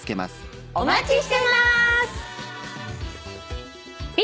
お待ちしてまーす！